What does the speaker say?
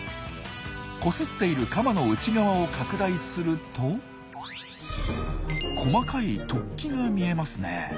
こすっているカマの内側を拡大すると細かい突起が見えますね。